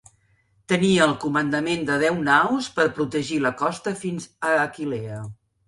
Tenia el comandament de deu naus per protegir la costa fins a Aquileia.